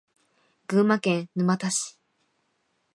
群馬県沼田市